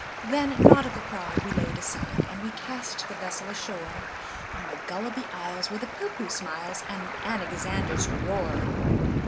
Then nautical pride we laid aside, And we cast the vessel ashore On the Gulliby Isles, where the Poohpooh smiles, And the Anagazanders roar.